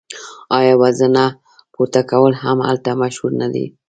آیا وزنه پورته کول هم هلته مشهور نه دي؟